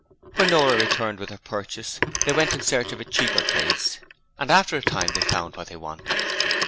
When Nora returned with her purchase, they went in search of a cheaper place and after a time they found what they wanted.